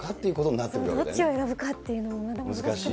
どっちを選ぶかっていうのはまだ難しい。